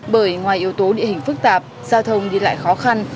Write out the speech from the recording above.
bởi ngoài yếu tố địa hình phức tạp giao thông đi lại khó khăn